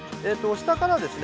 下からですね